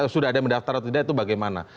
sudah ada mendaftar atau tidak itu bagaimana